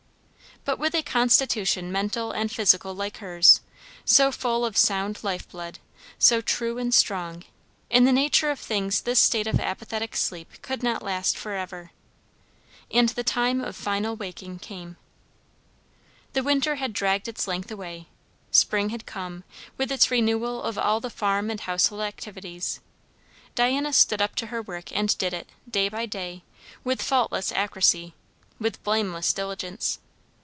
But with a constitution mental and physical like hers, so full of sound life blood, so true and strong, in the nature of things this state of apathetic sleep could not last for ever. And the time of final waking came. The winter had dragged its length away. Spring had come, with its renewal of all the farm and household activities. Diana stood up to her work and did it, day by day, with faultless accuracy, with blameless diligence.